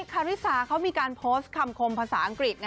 คาริสาเขามีการโพสต์คำคมภาษาอังกฤษ